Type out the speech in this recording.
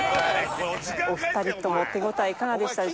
お二人とも手応えいかがでしたでしょうか？